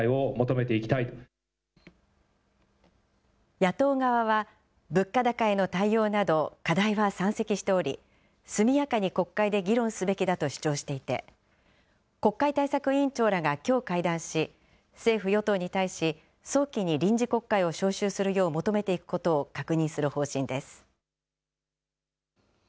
野党側は、物価高への対応など、課題は山積しており、速やかに国会で議論すべきだと主張していて、国会対策委員長らがきょう会談し、政府・与党に対し、早期に臨時国会を召集するよう求めていくことを確認する方針です。